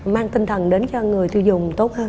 mang tinh thần đến cho người tiêu dùng tốt hơn